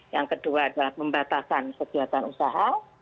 yang kedua adalah pembatasan kegiatan usaha